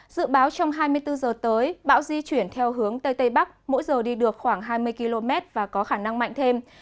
dự báo trong hai mươi bốn giờ tới bão di chuyển theo hướng tây tây bắc mỗi giờ đi được khoảng hai mươi km và có khả năng mạnh thêm